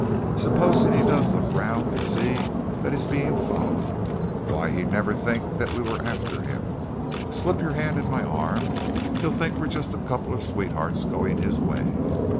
Supposing he does look round and sees that he's being followed? Why, he'd never think that we were after him. Slip your hand in my arm he'll think we're just a couple of sweethearts, going his way.